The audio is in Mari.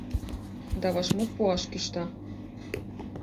Да вашмут пуаш кӱшта: